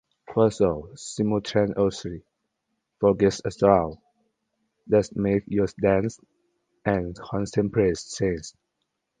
Quetzal simultaneously forges a sound that makes you dance and contemplate change.